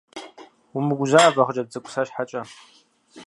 Умыгузавэ, хъыджэбз цӀыкӀу, сэ щхьэкӀэ.